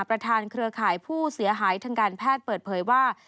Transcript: เครือข่ายผู้เสียหายทางการแพทย์เปิดเผยว่า